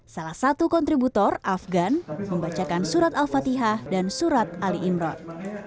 salah satu kontributor afgan membacakan surat al fatihah dan surat ali imron